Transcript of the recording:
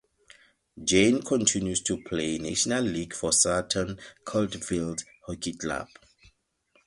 Jane continues to play National League for Sutton Coldfield Hockey Club.